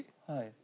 はい。